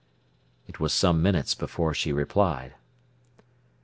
It was some minutes before she replied.